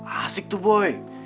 asik tuh boy